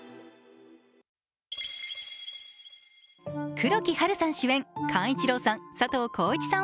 黒木華さん主演、寛一郎さん、佐藤浩市さん